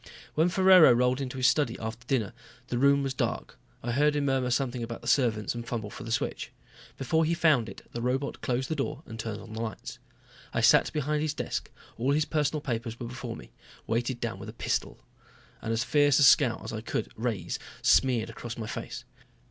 When Ferraro rolled into his study after dinner the room was dark. I heard him murmur something about the servants and fumble for the switch. Before he found it, the robot closed the door and turned on the lights. I sat behind his desk, all his personal papers before me weighted down with a pistol and as fierce a scowl as I could raise smeared across my face.